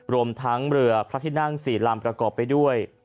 รวมทั้งเรือพระที่นั่ง๔ลำประกอบไปด้วย